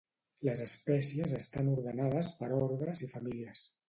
Les espècies estan ordenades per ordres i famílies.